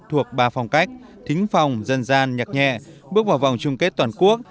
thuộc ba phong cách thính phòng dân gian nhạc nhẹ bước vào vòng chung kết toàn quốc